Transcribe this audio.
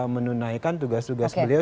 menunaikan tugas tugas beliau